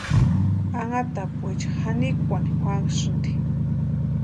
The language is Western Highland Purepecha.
Anhatapuecha janikwani juasïnti.